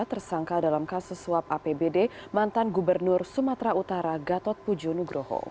tersangka dalam kasus suap apbd mantan gubernur sumatera utara gatot pujo nugroho